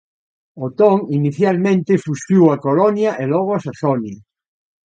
Otón inicialmente fuxiu a Colonia e logo a Saxonia.